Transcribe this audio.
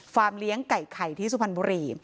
เลี้ยงไก่ไข่ที่สุพรรณบุรี